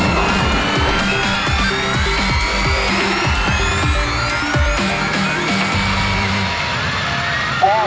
มาเลย